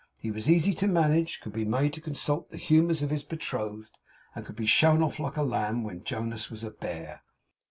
He was easy to manage, could be made to consult the humours of his Betrothed, and could be shown off like a lamb when Jonas was a bear.